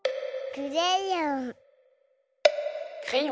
クレヨン。